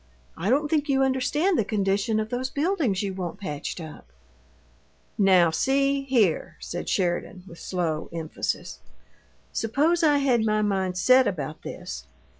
"I don't think you understand the condition of those buildings you want patched up." "Now, see here," said Sheridan, with slow emphasis; "suppose I had my mind set about this.